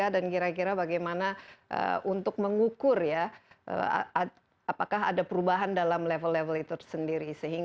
dan kira kira bagaimana untuk mengukur ya apakah ada perubahan dalam level level itu sendiri